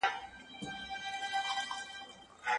تعلیم د فرد فکري وده چټکوي او هغه د ناپوهۍ له اغېزو ساتي.